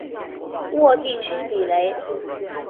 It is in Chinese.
沃地区比雷。